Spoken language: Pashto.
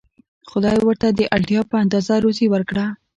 خدای ورته د اړتیا په اندازه روزي ورکړه.